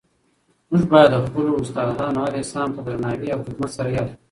موږ باید د خپلو استادانو هر احسان په درناوي او خدمت سره یاد کړو.